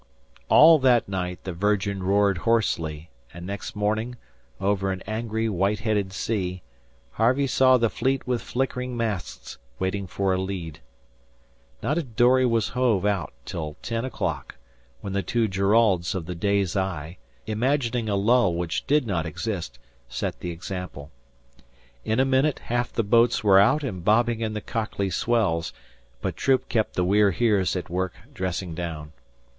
All that night the Virgin roared hoarsely; and next morning, over an angry, white headed sea, Harvey saw the Fleet with flickering masts waiting for a lead. Not a dory was hove out till ten o'clock, when the two Jeraulds of the Day's Eye, imagining a lull which did not exist, set the example. In a minute half the boats were out and bobbing in the cockly swells, but Troop kept the We're Heres at work dressing down.